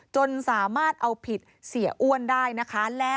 จนสามารถเอาผิดเสียอ้วนได้นะคะ